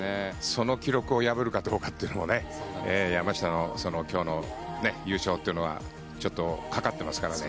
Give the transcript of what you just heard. その記録を破るかどうかというのも山下の今日の優勝というのはちょっとかかっていますからね。